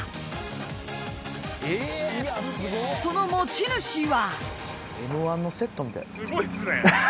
［その持ち主は］